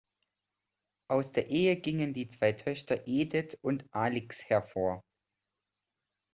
Aus der Ehe gingen die zwei Töchter Edit und Alix hervor.